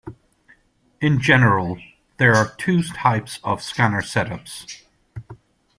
In general, there are two types of scanner setups.